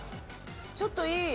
ちょっといい。